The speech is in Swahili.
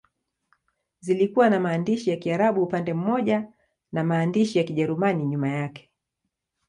Zilikuwa na maandishi ya Kiarabu upande mmoja na maandishi ya Kijerumani nyuma yake.